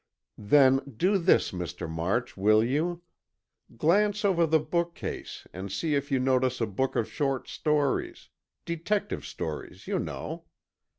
"Then, do this, Mr. March, will you? Glance over the bookcase and see if you notice a book of short stories—detective stories, you know.